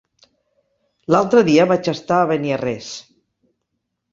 L'altre dia vaig estar a Beniarrés.